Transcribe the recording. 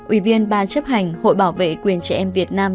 ủy viên ban chấp hành hội bảo vệ quyền trẻ em việt nam